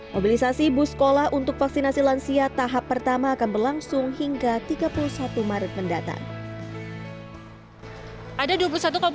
mobilisasi bus sekolah untuk vaksinasi lansia tahap pertama akan berlangsung hingga tiga puluh satu maret mendatang